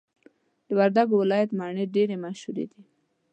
د وردګو ولایت مڼي ډیري مشهور دي.